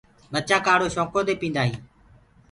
ٻچآ ڪآڙهو شوڪو دي پيندآ هينٚ۔